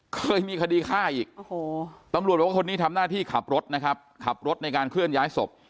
เคยมีคดีฆ่าอีกตำรวจบอกว่าคนนี้ทำหน้าที่ขับรถนะครับขับรถในการเคลื่อนย้ายศพ